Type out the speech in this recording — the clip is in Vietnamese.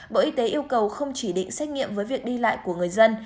bộ y tế yêu cầu không chỉ định xét nghiệm với việc đi lại của người dân